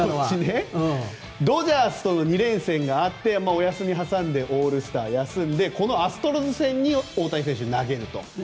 ドジャースとの２連戦があってお休みを挟んでオールスター、休んでこのアストロズ戦に大谷選手、投げると。